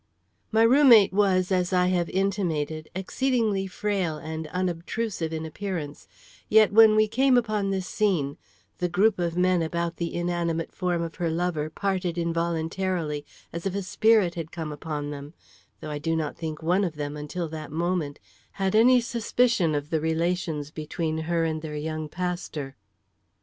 My room mate was, as I have intimated, exceedingly frail and unobtrusive in appearance; yet when we came upon this scene, the group of men about the inanimate form of her lover parted involuntarily as if a spirit had come upon them; though I do not think one of them, until that moment, had any suspicion of the relations between her and their young pastor.